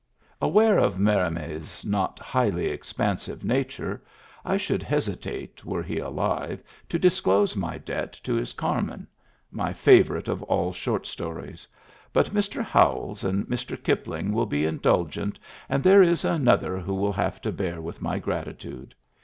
Aware of Merimee's not highly expansive nature, I should hesitate, were he alive, to dis close my debt to his Carmen — my favorite of all short stories; but Mr. Howells and Mr. Kip ling will be indulgent, and there is another who will have to bear with my gratitude.